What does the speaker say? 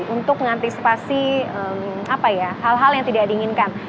untuk mengantisipasi hal hal yang tidak diinginkan